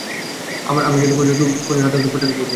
আমার কাজ হচ্ছে কোহিনূর হামিদের হাত পর্যন্ত পৌঁছিয়ে দেয়া।